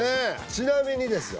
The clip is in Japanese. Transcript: ちなみにですよ